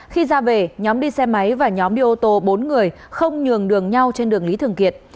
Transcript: khi ra về nhóm đi xe máy và nhóm đi ô tô bốn người không nhường đường nhau trên đường lý thường kiệt